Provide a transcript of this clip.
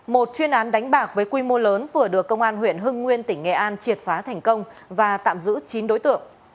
một chuyên án đánh bạc với quy mô lớn vừa được công an huyện hưng nguyên tỉnh nghệ an triệt phá thành công và tạm giữ chín đối tượng